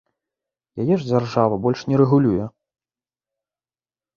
Яе ж дзяржава больш не рэгулюе!